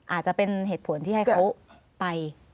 อาจจะเป็นเหตุผลที่ให้เขาไป